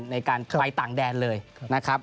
ในการไปต่างแดนเลยนะครับ